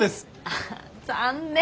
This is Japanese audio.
あっ残念。